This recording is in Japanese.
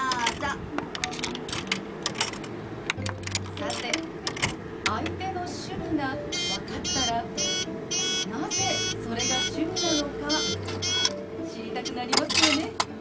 さて相手の趣味が分かったらなぜそれが趣味なのか知りたくなりますよね。